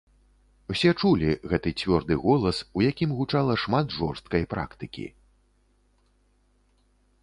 Усе чулі гэты цвёрды голас, у якім гучала шмат жорсткай практыкі.